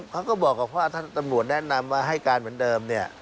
เขาก็บอกกับว่าถ้าตำรวจแนะนำว่าให้การเหมือนเดิมเนี่ย